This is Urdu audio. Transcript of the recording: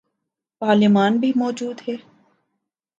پارلیمان بھی موجود ہے۔